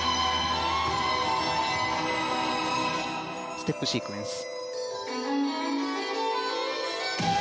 ステップシークエンス。